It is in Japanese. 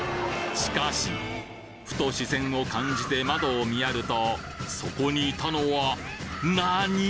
しかしふと視線を感じて窓を見やるとそこにいたのはなに！